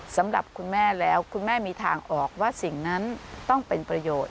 สำหรับคุณแม่แล้วคุณแม่มีทางออกว่าสิ่งนั้นต้องเป็นประโยชน์